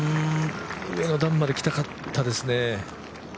上の段までいきたかったですね。